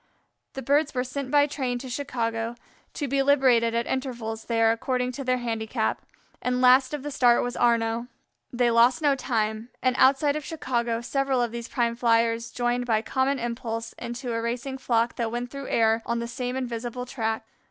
The birds were sent by train to Chicago, to be liberated at intervals there according to their handicap, and last of the start was Arnaux. They lost no time, and outside of Chicago several of these prime Flyers joined by common impulse into a racing flock that went through air on the same invisible track.